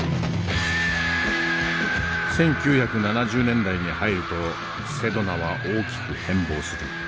１９７０年代に入るとセドナは大きく変貌する。